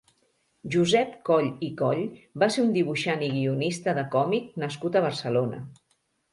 Josep Coll i Coll va ser un dibuixant i guionista de còmic nascut a Barcelona.